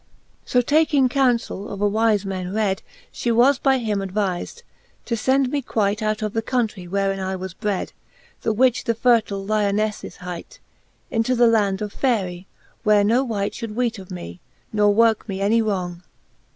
So taking counfell of a wife man red , She was by him adviz'd, to lend me quight Out of the countrie, wherein I was bred, The which the fertile Lio}7e[[e is hight. Into the land of Eaericy where no wight Should weet of me, nor worke me any wrong.